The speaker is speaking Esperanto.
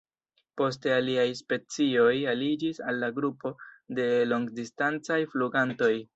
Poste aliaj specioj aliĝis al la grupo de longdistancaj flugantoj.